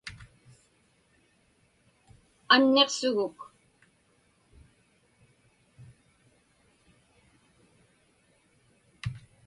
Anniqsuguk.